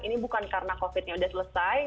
ini bukan karena covid ini udah selesai